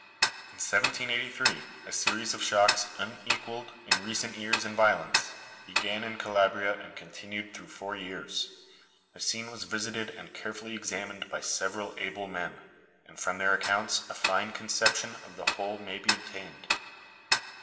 In 1783, a series of shocks, unequalled in recent years in violence, began in Calabria and continued through four years. The scene was visited and carefully examined by several able men, and from their accounts a fine conception of the whole may be obtained.